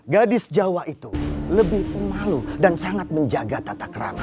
gadis jawa itu lebih pemalu dan sangat menjaga tata kerama